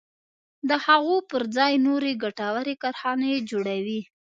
د هغو پر ځای نورې ګټورې کارخانې جوړوي.